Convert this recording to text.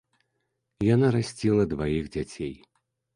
Яна расціла дваіх дзяцей.